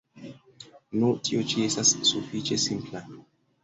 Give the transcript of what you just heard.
Nu, tio ĉi estas sufiĉe simpla.